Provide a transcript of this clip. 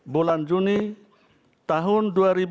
bulan juni tahun dua ribu sembilan belas